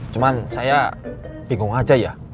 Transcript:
cuman saya bingung aja ya